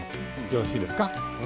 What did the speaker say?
よろしいですか。